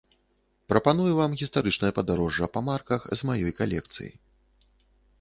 Прапаную вам гістарычнае падарожжа па марках з маёй калекцыі.